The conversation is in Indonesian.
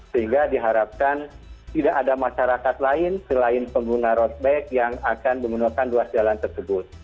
sehingga diharapkan tidak ada masyarakat lain selain pengguna road bike yang akan menggunakan ruas jalan tersebut